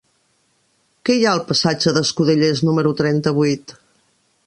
Què hi ha al passatge d'Escudellers número trenta-vuit?